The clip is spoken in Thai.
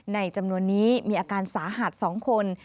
จำนวนนี้มีอาการสาหัส๒คน